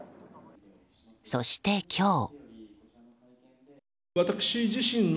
そして、今日。